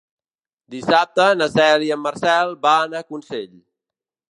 Dissabte na Cel i en Marcel van a Consell.